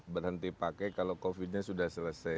berhenti pakai kalau covidnya sudah selesai